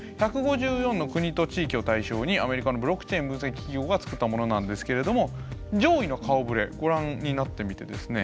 １５４の国と地域を対象にアメリカのブロックチェーン分析企業が作ったものなんですけれども上位の顔ぶれご覧になってみてですね